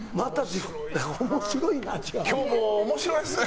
今日も面白いっすね